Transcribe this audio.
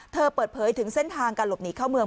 เปิดเผยถึงเส้นทางการหลบหนีเข้าเมือง